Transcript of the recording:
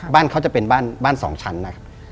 บ้านเขาจะเป็นบ้าน๒ชั้นนะครับ